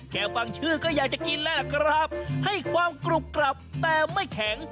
ฟังชื่อก็อยากจะกินแล้วล่ะครับให้ความกรุบกลับแต่ไม่แข็ง